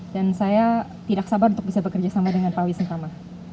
dan saya tidak sabar untuk bisa bekerja sama dengan pak wis utama